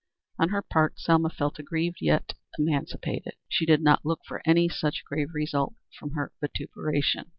On her part Selma felt aggrieved yet emancipated. She had not looked for any such grave result from her vituperation.